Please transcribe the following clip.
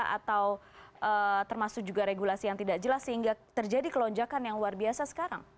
atau termasuk juga regulasi yang tidak jelas sehingga terjadi kelonjakan yang luar biasa sekarang